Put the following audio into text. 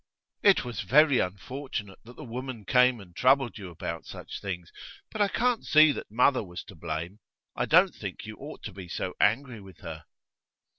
'It was very unfortunate that the woman came and troubled you about such things. But I can't see that mother was to blame; I don't think you ought to be so angry with her.